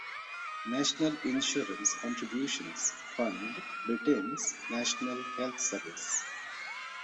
National Insurance contributions fund Britain’s National Health Service